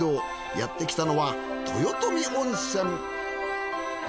やってきたのは豊富温泉。